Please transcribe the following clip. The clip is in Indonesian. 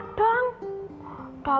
kiki lagi anak anak madang